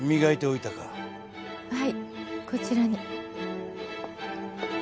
はいこちらに。